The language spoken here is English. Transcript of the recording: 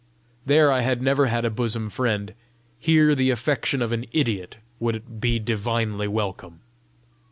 there I had never had a bosom friend; here the affection of an idiot would be divinely welcome!